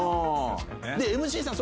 ＭＣさん